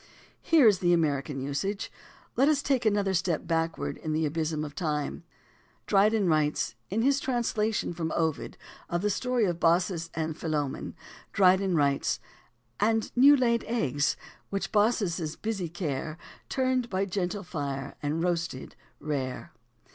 Here is the American usage. Let us take another step backward in the "abysm of time." In his translation from Ovid of the story of Baucis and Philemon Dry den writes: "And new laid eggs, which Baucis' busy care Turned by a gentle fire and roasted rare."